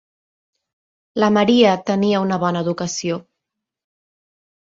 La Maria tenia una bona educació.